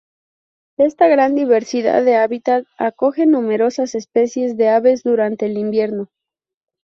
Esta gran diversidad de hábitat acoge numerosas especies de aves durante el invierno.